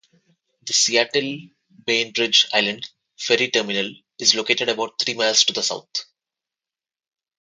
The Seattle-Bainbridge Island ferry terminal is located about three miles to the south.